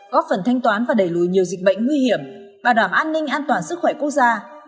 góp phần thanh toán và đẩy lùi nhiều dịch bệnh nguy hiểm bảo đảm an ninh an toàn sức khỏe quốc gia